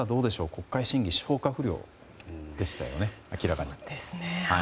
国会審議、消化不良でしたよね明らかに。